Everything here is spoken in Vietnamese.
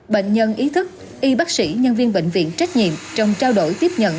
bệnh nhân ý thức y bác sĩ nhân viên bệnh viện trách nhiệm trong trao đổi tiếp nhận